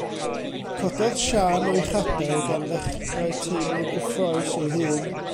Cododd Siân o'i chadair gan ddechrau teimlo'n gyffrous ei hun.